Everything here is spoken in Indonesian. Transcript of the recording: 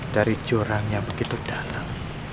dari curang yang begitu dalam